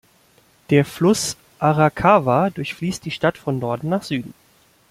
Der Fluss Arakawa durchfließt die Stadt von Norden nach Süden.